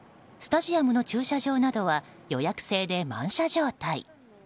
スタジアムの駐車場などは予約制で満車状態。